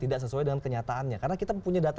tidak sesuai dengan kenyataannya karena kita punya data